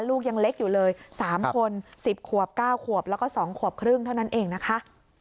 ลูกยังเล็กอยู่เลย๓คน๑๐ขวบ๙ขวบแล้วก็๒ขวบครึ่งเท่านั้นเองนะคะ